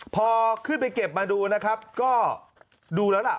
พอขึ้นไปเก็บมาดูนะครับก็ดูแล้วล่ะ